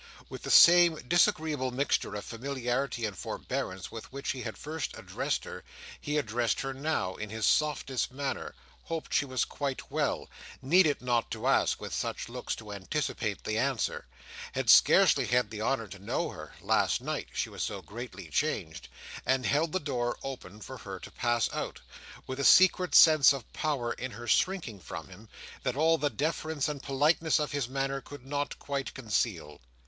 With the same disagreeable mixture of familiarity and forbearance, with which he had first addressed her, he addressed her now in his softest manner—hoped she was quite well—needed not to ask, with such looks to anticipate the answer—had scarcely had the honour to know her, last night, she was so greatly changed—and held the door open for her to pass out; with a secret sense of power in her shrinking from him, that all the deference and politeness of his manner could not quite conceal.